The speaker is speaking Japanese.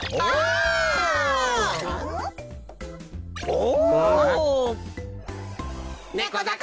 お。